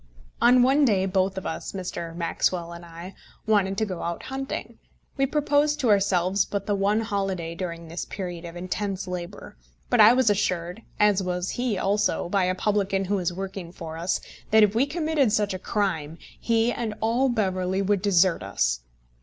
On one day both of us, Mr. Maxwell and I, wanted to go out hunting. We proposed to ourselves but the one holiday during this period of intense labour; but I was assured, as was he also, by a publican who was working for us, that if we committed such a crime he and all Beverley would desert us.